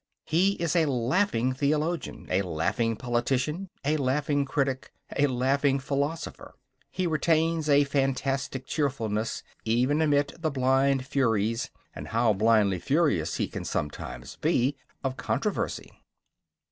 He is a laughing theologian, a laughing politician, a laughing critic, a laughing philosopher. He retains a fantastic cheerfulness even amid the blind furies and how blindly furious he can sometimes be! of controversy.